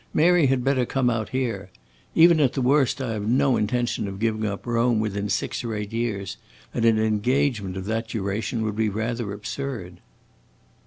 Mary had better come out here. Even at the worst I have no intention of giving up Rome within six or eight years, and an engagement of that duration would be rather absurd."